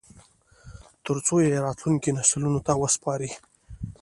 ترڅو یې راتلونکو نسلونو ته وسپاري